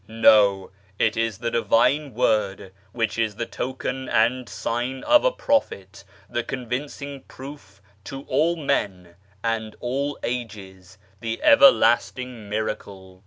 No, it s the Divine Word which is the token and sign of a prophet, he convincing proof to all men and all ages, the everlasting iiiracle.